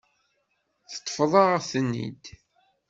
Teṭṭfeḍ-aɣ-ten-id.